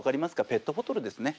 ペットボトルですね。